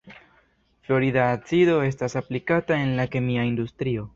Klorida acido estas aplikata en la kemia industrio.